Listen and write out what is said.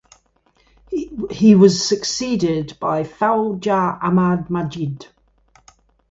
He was succeeded by Faujdar Ahmad Majid.